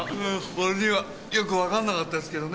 俺にはよくわかんなかったですけどね。